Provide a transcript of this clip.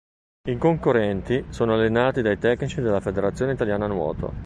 I concorrenti sono allenati dai tecnici della Federazione Italiana Nuoto.